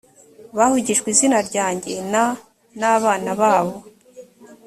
bahugijwe izina ryanjye na nabana babo